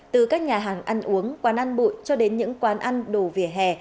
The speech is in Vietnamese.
từ các nhà hàng ăn uống quán ăn bụi cho đến những quán ăn đồ vỉa hè